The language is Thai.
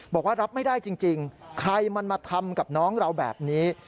บอกว่ารับไม่ได้จริงใครมันมาทำกับน้องเราแบบนี้